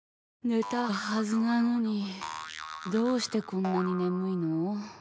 寝たはずなのにどうしてこんなに眠いの。